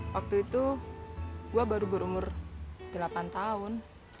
waktu itu gue baru berumur delapan tahun